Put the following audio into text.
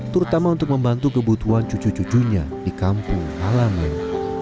terutama untuk membantu kebutuhan cucu cucunya di kampung halaman